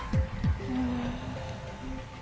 うん。